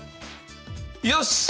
よし！